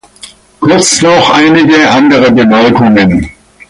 Kurz noch einige andere Bemerkungen.